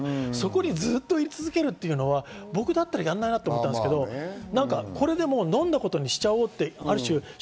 そこに居続けるのは僕だったらやらないなと思うんですけど、これでもう飲んだことにしちゃおうっていう。